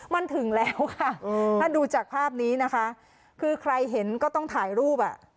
มันถึงแล้วค่ะถ้าดูจากภาพนี้นะคะคือใครเห็นก็ต้องถ่ายรูปอ่ะ